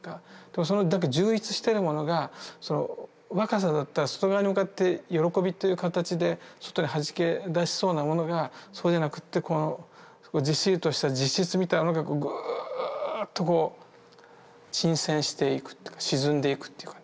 その充溢してるものが若さだったら外側に向かって喜びっていう形で外にはじけ出しそうなものがそうじゃなくってずっしりとした実質みたいのがぐっとこう沈潜していくっていうか沈んでいくっていうかね